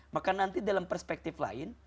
maka nanti dalam perspektif lain